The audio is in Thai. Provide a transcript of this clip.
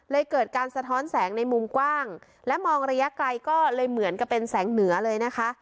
เกิดการสะท้อนแสงในมุมกว้างและมองระยะไกลก็เลยเหมือนกับเป็นแสงเหนือเลยนะคะ